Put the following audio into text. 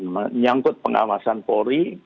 menyangkut pengawasan polri